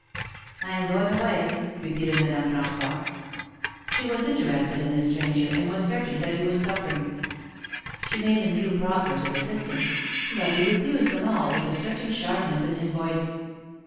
I am going away," repeated Madame Fran9ois. She was interested in this stranger, and was certain that he was suffering. She made him new proffers of 3 ^ THE MAEKETS OF PAEIS. assistance, but he refused tb^i all with a certain sharpness in his voice.